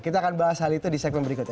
kita akan bahas hal itu di segmen berikutnya